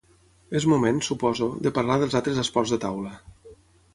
És moment, suposo, de parlar dels altres esports de taula.